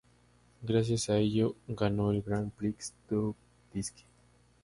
Gracias e ello ganó el Grand Prix du Disque.